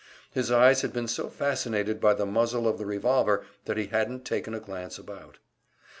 His eyes had been so fascinated by the muzzle of the revolver that he hadn't taken a glance about.